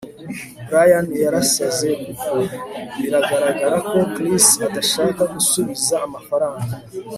brian yarasaze kuko biragaragara ko chris adashaka gusubiza amafaranga